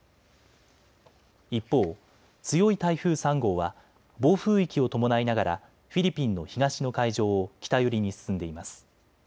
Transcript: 一方、強い台風３号は暴風域を伴いながらフィリピンの東の海上を北寄りに進んでいます。